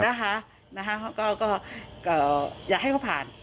นะคะเขาก็อยากให้เขาผ่าน